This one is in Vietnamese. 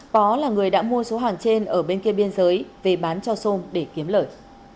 pó là người đã mua số hàng trên ở bên kia biên giới về bán cho xôm để kiếm lợi